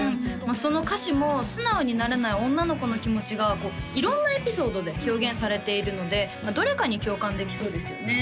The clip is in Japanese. その歌詞も素直になれない女の子の気持ちが色んなエピソードで表現されているのでどれかに共感できそうですよね